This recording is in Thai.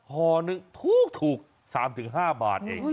ห่อนึงถูก๓๕บาทเอง